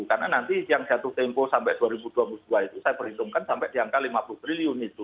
karena nanti yang jatuh tempo sampai dua ribu dua puluh dua itu saya perhitungkan sampai di angka lima puluh triliun itu